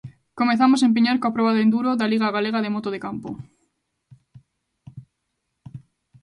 Comezamos en Piñor coa proba de enduro da Liga Galega de Moto de Campo.